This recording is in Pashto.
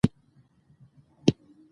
د لوړوالي ،یقین او ثبات په اندازه سخته وي.